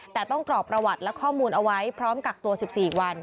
แต่ต้องกรอกประวัติและข้อมูลเอาไว้พร้อมกักตัว๑๔วัน